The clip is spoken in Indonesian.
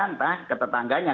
entah ke tetangganya